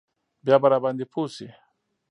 بيا به راباندې پوه سي.